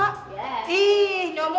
ih nyomud jangan kaget kagetan ya